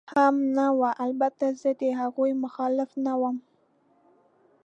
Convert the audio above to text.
هم نه وه، البته زه د هغوی مخالف نه ووم.